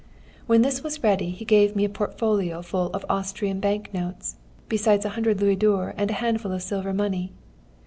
"When this was ready he gave me a portfolio full of Austrian bank notes, besides a hundred louis d'ors and a handful of silver money.